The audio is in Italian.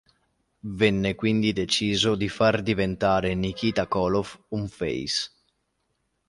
Venne quindi deciso di far diventare Nikita Koloff un face.